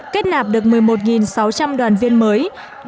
kết nạp được một mươi một sáu trăm linh đoàn viên mới